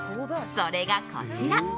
それが、こちら。